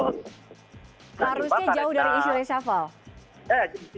harusnya jauh dari isu reshuffle